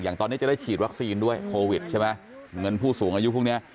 ตอนนี้จะได้ฉีดวัคซีนด้วยโควิดใช่ไหมเงินผู้สูงอายุพวกเนี้ย